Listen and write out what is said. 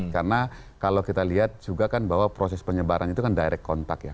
karena kalau kita lihat juga kan bahwa proses penyebaran itu kan direct contact ya